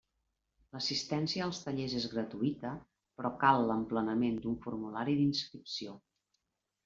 L'assistència als tallers és gratuïta, però cal l'emplenament d'un formulari d'inscripció.